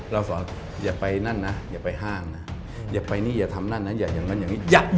สอนอย่าไปนั่นนะอย่าไปห้างนะอย่าไปนี่อย่าทำนั่นนะอย่าอย่างนั้นอย่างนี้